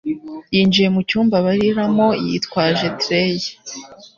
yinjiye mu cyumba bariramo, yitwaje tray.